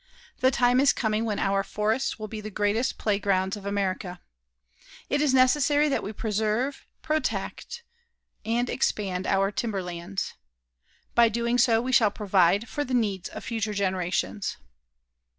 The time is coming when our forests will be the greatest playgrounds of America. It is necessary that we preserve, protect, and expand our timberlands. By so doing we shall provide for the needs of future generations.